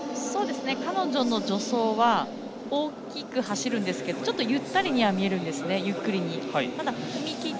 彼女の助走は大きく走るんですけどちょっとゆっくりに見えるんですね。